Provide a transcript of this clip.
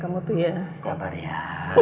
kamu tuh ya